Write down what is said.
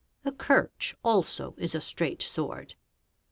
The kirch also | isa straight sword.